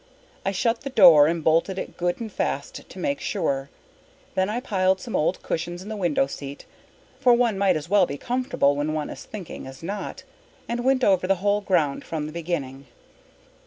I shut the door and bolted it good and fast to make sure. Then I piled some old cushions in the window seat for one might as well be comfortable when one is thinking as not and went over the whole ground from the beginning.